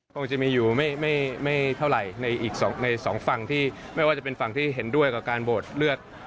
คงจะมีอยู่ไม่เท่าไหร่ในอีกในสองฝั่งที่ไม่ว่าจะเป็นฝั่งที่เห็นด้วยกับการโหวตเลือก